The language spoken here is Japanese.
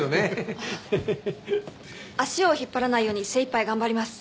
足を引っ張らないように精いっぱい頑張ります。